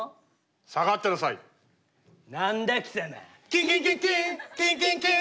キンキンキンキンキンキンキン。